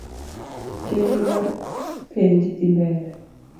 Chenro mar penj dhi mbele.